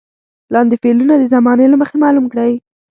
لاندې فعلونه د زمانې له مخې معلوم کړئ.